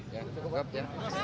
ya cukup ya